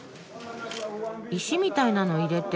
石みたいなの入れて。